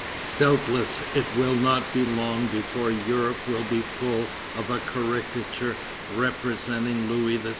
Doubtless it will not be long before Europe will be full of a caricature representing Louis XVI.